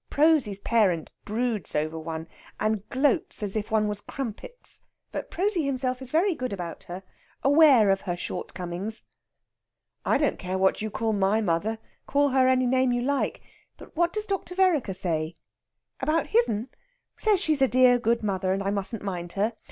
Prosy's parent broods over one, and gloats as if one was crumpets; but Prosy himself is very good about her aware of her shortcomings." "I don't care what you call my mother. Call her any name you like. But what does Dr. Vereker say?" "About his'n? Says she's a dear good mother, and I mustn't mind her.